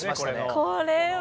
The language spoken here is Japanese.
これは。